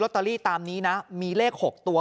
ตอรี่ตามนี้นะมีเลข๖ตัว